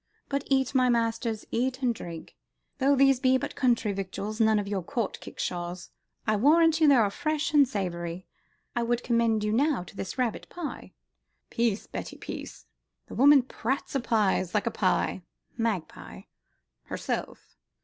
But eat, my masters, eat and drink. Though these be but country victuals, none of your Court kickshaws, I warrant you they are fresh and savoury. I would commend you, now, to this rabbit pie " "Peace, Betty, peace. The woman prates o' pies like a pie (magpie) herself.